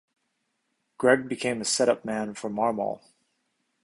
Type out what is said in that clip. Gregg became a set-up man for Marmol.